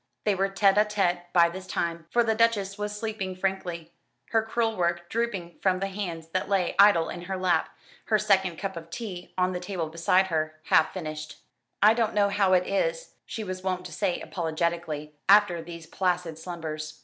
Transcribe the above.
They were tête à tête by this time, for the Duchess was sleeping frankly, her crewel work drooping from the hands that lay idle in her lap; her second cup of tea on the table beside her, half finished. "I don't know how it is," she was wont to say apologetically, after these placid slumbers.